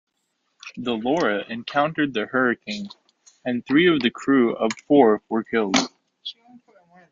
The "Laura" encountered the hurricane, and three of the crew of four were killed.